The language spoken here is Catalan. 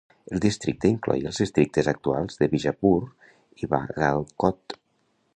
El districte incloïa els districtes actuals de Bijapur i Bagalkot.